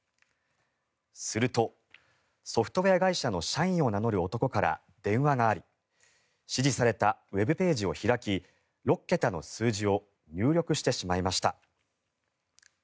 すると、ソフトウェア会社の社員を名乗る男から電話があり指示されたウェブページを開き６桁の数字を入力してしまいました。